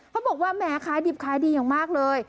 เขาบอกว่าแหมขายดิบขายดีอย่างมากเลย